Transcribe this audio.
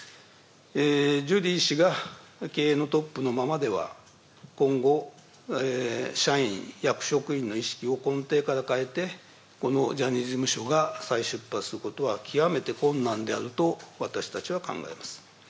ジュリー氏が経営のトップのままでは、今後、社員、役職員の意識を根底から変えて、このジャニーズ事務所が再出発することは極めて困難であると私たちは考えます。